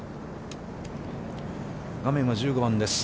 画面は１５番です。